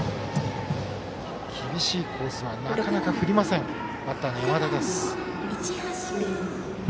厳しいコースはなかなか振りません、山田。